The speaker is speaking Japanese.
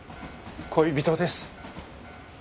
恋人です。